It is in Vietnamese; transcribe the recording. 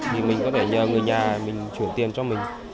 thì mình có thể nhờ người nhà mình chuyển tiền cho mình